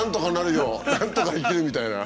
「なんとか生きる」みたいな。